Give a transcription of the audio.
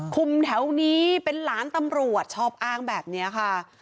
แถวนี้เป็นหลานตำรวจชอบอ้างแบบนี้ค่ะ